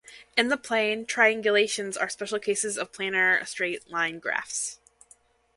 In the plane, triangulations are special cases of planar straight-line graphs.